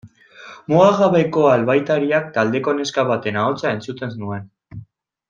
Mugagabeko Albaitariak taldeko neska baten ahotsa entzuten nuen.